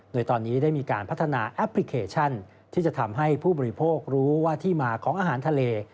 โดยตอนนี้ได้มีการพัฒนาแอปพลิเคชันที่จะทำให้ผู้บริโภครู้ว่าที่มาของอาหารทะเล